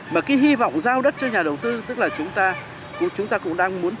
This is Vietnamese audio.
mà cái hy vọng giao đất cho nhà đầu tư tức là chúng ta cũng đang muốn tìm